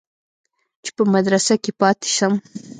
چې په مدرسه کښې پاته سم.